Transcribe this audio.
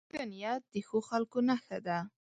ښه نیت د ښو خلکو نښه ده.